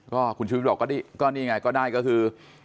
ก็คุณชุวิตบอกก็นี่ไงก็ได้ก็คือ